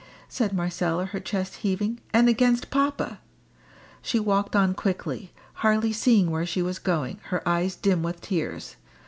said Marcella, her chest heaving; "and against papa." She walked on quickly, hardly seeing where she was going, her eyes dim with tears.